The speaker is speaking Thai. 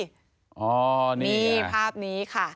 อ๋อนี่ค่ะนี่ภาพนี้ค่ะ